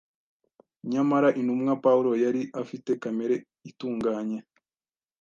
Nyamara intumwa Pawulo yari afite kamere itunganye